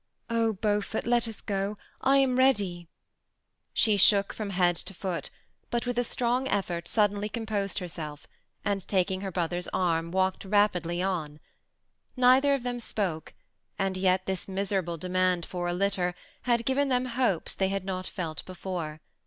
Oh ! Beaufort, let us go; I am ready." She shook from head to foot, but with a strong effort suddenly composed herself, and taking her brother^s arm, walked rapidly on. Neither of them spoke, and yet this miserable demand for a litter had given them hopes they had not felt before.